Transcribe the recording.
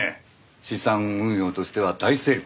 資産運用としては大成功。